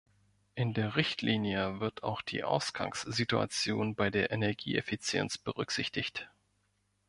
In der Richtlinie wird auch die Ausgangssituation bei der Energieeffizienz berücksichtigt.